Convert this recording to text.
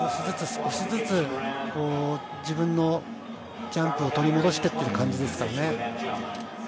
少しずつ自分のジャンプを取り戻してっていう感じですからね。